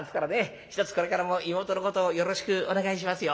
ひとつこれからも妹のことをよろしくお願いしますよ。